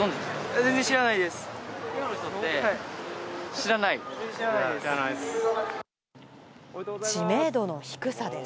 全然知らないです。